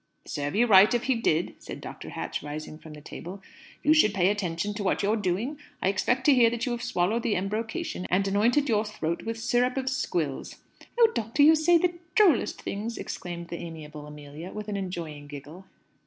"Serve you right, if he did!" said Dr. Hatch, rising from the table. "You should pay attention to what you're doing. I expect to hear that you have swallowed the embrocation and anointed your throat with syrup of squills." "Oh, doctor! You do say the drollest things!" exclaimed the amiable Amelia, with an enjoying giggle.